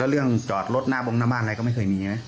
เรื่องจอดรถหน้าบงหน้าบ้านอะไรก็ไม่เคยมีใช่ไหม